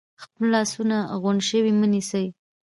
خپل لاسونه غونډ شوي مه نیسئ،